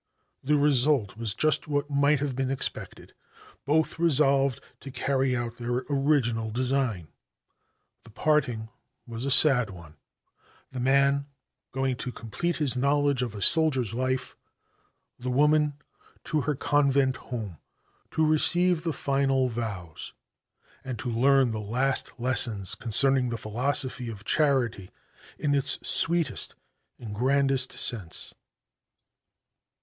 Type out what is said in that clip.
The result was just what might have been expected. Both resolved to carry out their original design. The parting was a sad one the man going to complete his knowledge of a soldier's life the woman to her convent home to receive the final vows and to learn the last lessons concerning the philosophy of charity in its sweetest and grandest sense.